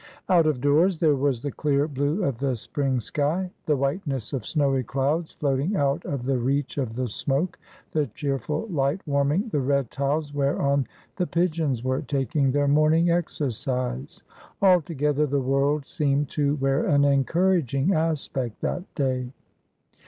Out of doors there was the clear blue of the spring sky, the whiteness of snowy clouds floating out of the reach of the smoke, the cheerful light warming the red tiles whereon the pigeons were taking their morning exercise. Altogether the world seemed to wear an encouraging aspect that day.